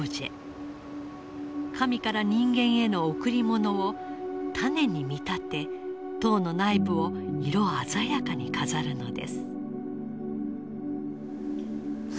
神から人間への贈り物を種に見立て塔の内部を色鮮やかに飾るのです。